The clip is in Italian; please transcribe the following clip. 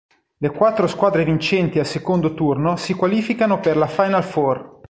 Le quattro squadre vincenti al secondo turno si qualificano per la final-four.